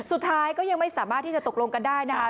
ก็ยังไม่สามารถที่จะตกลงกันได้นะคะ